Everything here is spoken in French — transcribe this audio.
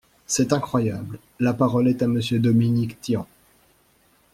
C’est incroyable ! La parole est à Monsieur Dominique Tian.